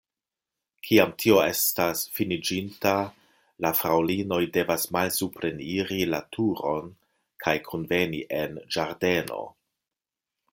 Kiam tio estas finiĝinta, la fraŭlinoj devas malsupreniri la turon kaj kunveni en ĝardeno.